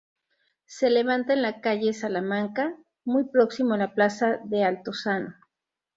Se levanta en la calle Salamanca, muy próximo a la plaza del Altozano.